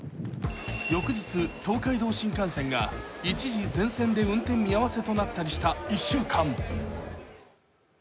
翌日、東海道新幹線が一時、全線で運転を見合わせとなった一週間。